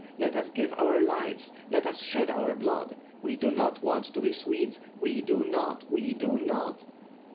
Let us give our lives, let us shed our blood! We do not want to be Swedes; we do not, we do not!